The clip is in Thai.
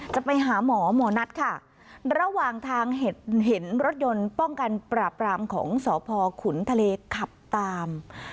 จะไปหาหมอหมอนัทค่ะระหว่างทางเห็นรถยนต์ป้องกันปราบรามของสพขุนทะเลขับตาม